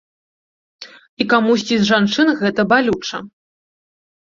І камусьці з жанчын гэта балюча.